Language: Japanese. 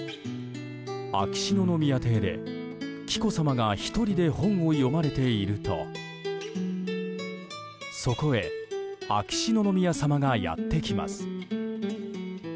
秋篠宮邸で紀子さまが１人で本を読まれているとそこへ秋篠宮さまがやってきます。